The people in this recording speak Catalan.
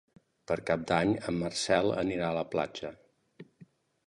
Per Cap d'Any en Marcel anirà a la platja.